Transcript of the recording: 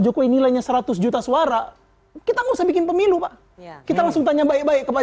jokowi nilainya seratus juta suara kita bisa bikin pemilu pak kita langsung tanya baik baik ke pak